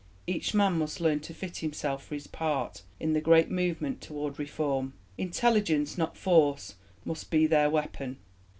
Each man must learn to fit himself for his part in the great movement toward Reform. Intelligence, not force, must be their weapon.